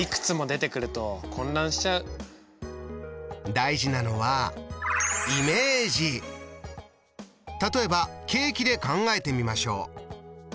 大事なのは例えばケーキで考えてみましょう。